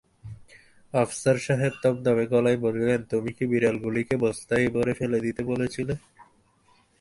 আফসার সাহেব থমথমে গলায় বললেন, তুমি কি বিড়ালগুলিকে বস্তায় ভরে ফেলে দিতে বলেছিলে?